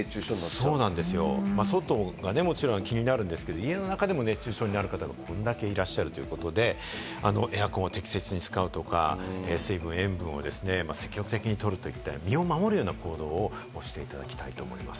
外がもちろん気になるんですが、家の中でも熱中症になる方がこれだけいらっしゃるということで、エアコンは適切に使うとか、水分、塩分を積極的にとるといった身を守るような行動をしていただきたいと思います。